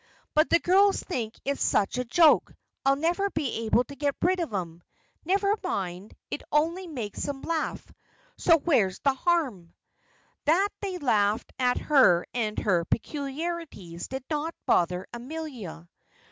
But the girls think it's such a joke I'll never be able to get rid of 'em. Never mind. It only makes 'em laugh, so where's the harm?" That they laughed at her and her peculiarities, did not bother Amelia.